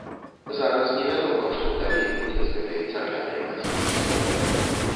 Зараз невядома што далей будзе з гэтай цаглянай канструкцыяй.